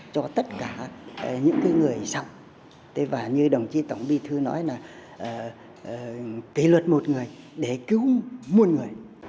cho tất cả những người sau và như đồng chí tổng bí thư nói là kỷ luật một người để cứu muôn người